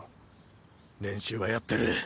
練習はやってる。